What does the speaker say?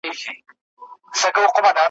چي له مُغانه مي وروستی جام لا منلی نه دی ,